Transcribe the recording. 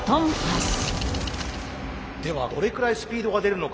ではどれくらいスピードが出るのか。